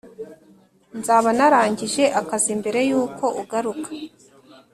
nzaba narangije akazi mbere yuko ugaruka